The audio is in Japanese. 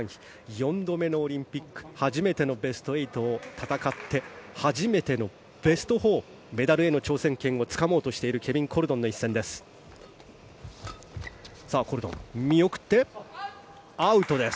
４度目のオリンピック初めてのベスト８を戦って初めてのベスト４メダルへの挑戦権をつかもうとしているケビン・コルドンの一戦です。